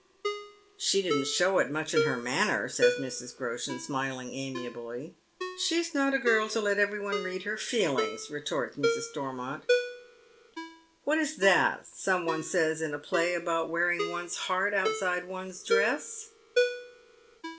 " She didn't show it much in her manner," says Mrs. Groshen, smiling amiably. " She is not a girl to let every one read her feelings," retorts Mrs. Stormont. " What is that some one says in a play about wearing one's heart outside one's dress?